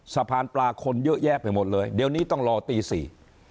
สะพานปลาคนเยอะแยะไปหมดเลยเดี๋ยวนี้ต้องรอตีสี่